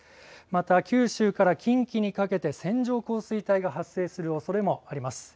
また九州から近畿にかけて線状降水帯が発生するおそれもあります。